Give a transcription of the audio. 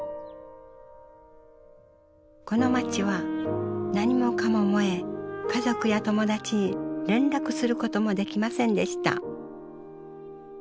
この街は何もかも燃え家族や友達に連絡することもできませんでした。